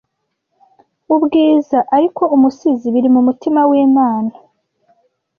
ubwiza ariko umusizi biri mumutima wimana